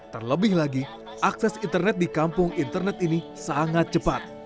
terlebih lagi akses internet di kampung internet ini sangat cepat